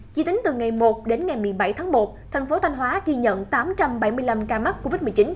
chỉ tính từ ngày một đến ngày một mươi bảy tháng một thành phố thanh hóa ghi nhận tám trăm bảy mươi năm ca mắc covid một mươi chín